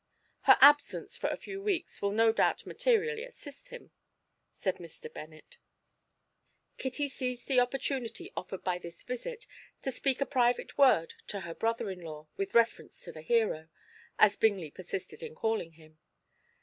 "Her absence for a few weeks will no doubt materially assist him," said Mr. Bennet. Kitty seized the opportunity offered by this visit to speak a private word to her brother in law with reference to the hero, as Bingley persisted in calling him.